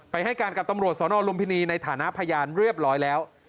ให้การกับตำรวจสนลุมพินีในฐานะพยานเรียบร้อยแล้ว